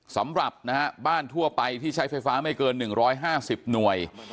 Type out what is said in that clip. สำหรับบ้านทั่วไปที่ใช้ไฟฟ้าไม่เกิน๑๕๐หน่วย